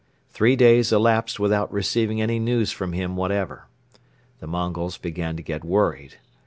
Three days elapsed without receiving any news from him whatever. The Mongols began to get worried.